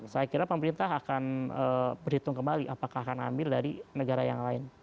saya kira pemerintah akan berhitung kembali apakah akan ambil dari negara yang lain